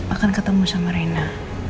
akan ketemu sama rina